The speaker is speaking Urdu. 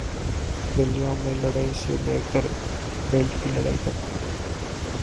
گلیوں میں لڑائی سے لے کر بیلٹ کی لڑائی تک،